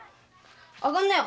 上がんなよ。